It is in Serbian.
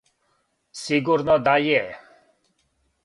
Сигурно да је.